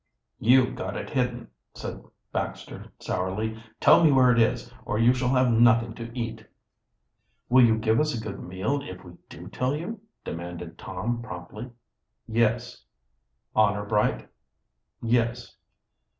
"You got it hidden," said Baxter sourly. "Tell we where it is, or you shall have nothing to eat." "Will you give us a good meal if we do tell you?" demanded Tom promptly. "Yes." "Honor bright?" "Yes."